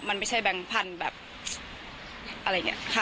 มันไม่ใช่แบงค์พันธุ์แบบอะไรอย่างนี้ค่ะ